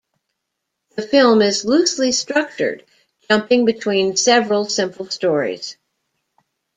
The film is loosely structured, jumping between several simple stories.